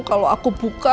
kalo aku buka